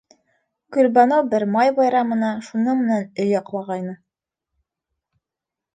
Гөлбаныу бер май байрамына шуның менән өй аҡлағайны.